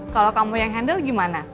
kalau kamu yang handle gimana